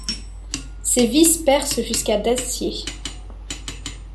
Ces vis percent jusqu'à d'acier.